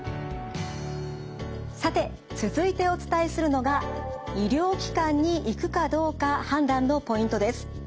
さて続いてお伝えするのが医療機関に行くかどうか判断のポイントです。